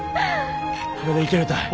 これでいけるたい。